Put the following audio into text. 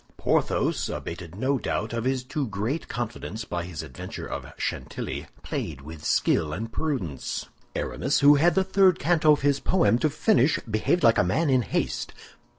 Porthos, abated, no doubt, of his too great confidence by his adventure of Chantilly, played with skill and prudence. Aramis, who had the third canto of his poem to finish, behaved like a man in haste.